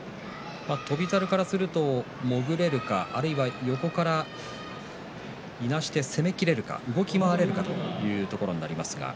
翔猿からすると潜れるかあるいは横からいなして攻めきれるか動き回れるかというところになります。